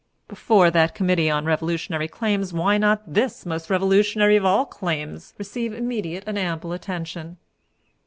"Before that Committee on Revolutionary Claims why could not this most revolutionary of all claims receive immediate and ample attention?